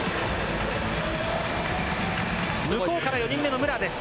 向こうから４人目の武良です。